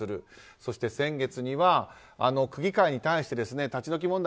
そして先月には、区議会に対して立ち退き問題